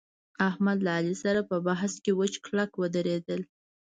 احمد له علي سره په بحث کې وچ کلک ودرېدل